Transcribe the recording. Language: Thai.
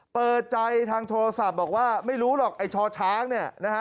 เปิดใจทางโทรศัพท์บอกว่าไม่รู้หรอกไอ้ชอช้างเนี่ยนะฮะ